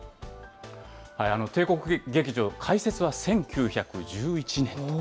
帝国劇場、開設は１９１１年と。